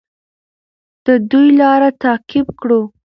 د دوی لار تعقیب کړو.